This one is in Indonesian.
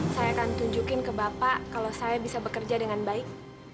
saya akan tunjukin ke bapak kalau saya bisa bekerja dengan baik